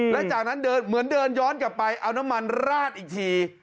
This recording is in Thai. แล้วจากนั้นเดินเหมือนเดินย้อนกลับไปเอาน้ำมันราดอีกที